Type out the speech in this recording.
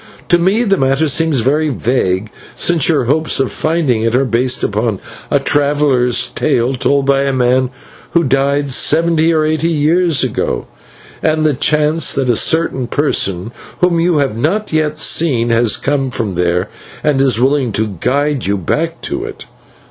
To me the matter seems very vague, since your hopes of finding it are based upon a traveller's tale, told by a man who died seventy or eighty years ago, and the chance that a certain person, whom you have not yet seen, has come from there, and is willing to guide you back to it.